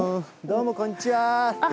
どうもこんにちは。